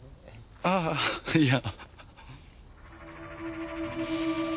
ああいや。